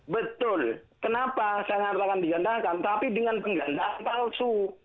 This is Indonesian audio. betul kenapa saya mengatakan digandakan tapi dengan penggandaan palsu